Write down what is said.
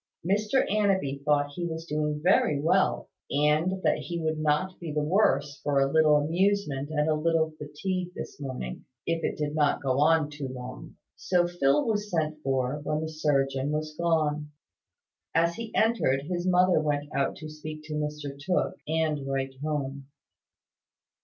Mr Annanby thought he was doing very well; and that he would not be the worse for a little amusement and a little fatigue this morning, if it did not go on too long. So Phil was sent for, when the surgeon was gone. As he entered, his mother went out to speak to Mr Tooke, and write home.